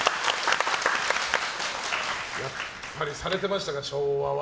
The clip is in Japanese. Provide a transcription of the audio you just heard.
やっぱりされてましたか、昭和は。